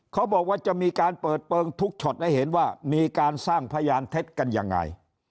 เขาบอกว่าจะมีการเปิดเปลืองทุกช็อตให้เห็นว่ามีการสร้างพยานเท็จกันยังไง